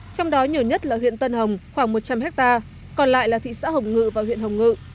trong đó nhiều nhất là huyện tân hồng khoảng một trăm linh hectare còn lại là thị xã hồng ngự và huyện hồng ngự